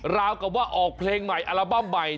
ราวกับว่าออกเพลงใหม่อัลบั้มใหม่